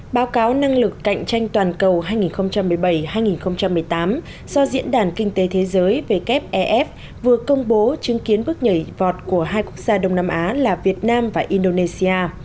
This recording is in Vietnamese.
báo cáo năng lực cạnh tranh toàn cầu hai nghìn một mươi bảy hai nghìn một mươi tám do diễn đàn kinh tế thế giới wef vừa công bố chứng kiến bước nhảy vọt của hai quốc gia đông nam á là việt nam và indonesia